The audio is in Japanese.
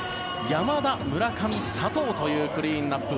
山田、村上、佐藤というクリーンアップ